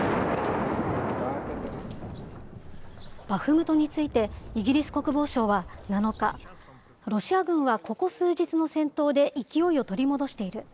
バフムトについて、イギリス国防省は７日、ロシア軍はここ数日の戦闘で勢いを取り戻している。